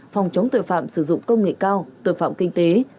phòng chống tội phạm sử dụng công nghệ cao tội phạm kinh tế